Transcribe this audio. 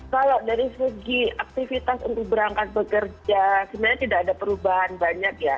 kalau dari segi aktivitas untuk berangkat bekerja sebenarnya tidak ada perubahan banyak ya